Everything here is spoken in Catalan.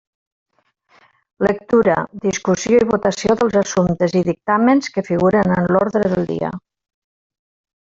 Lectura, discussió i votació dels assumptes i dictàmens que figuren en l'ordre del dia.